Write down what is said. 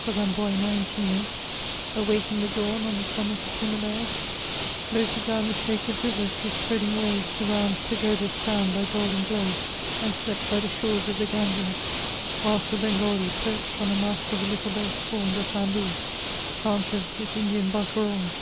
* Amboyna and Timor ; awakened the dawn on the summit o> Himalaya ; floated down the sacred rivers, whose spreadii^ waves surround pagodas crowned by golden globes ; and slept by the shores of the Ganges, whilst the bengali, perched on the mast of a little boat, formed oif bamboo, chaunted his Indian barcarole.